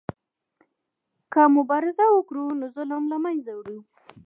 که مبارزه وکړو نو ظلم له منځه وړو.